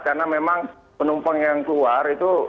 karena memang penumpang yang keluar itu